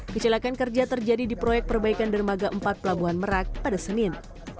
kecelakaan kerja terjadi di proyek perbaikan dermaga empat pelabuhan merak pada senin